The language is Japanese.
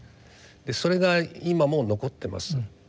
それが今も残ってます。